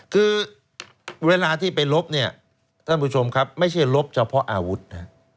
คือเวลาที่ไปลบเนี่ยท่านผู้ชมครับไม่ใช่ลบเฉพาะอาวุธนะ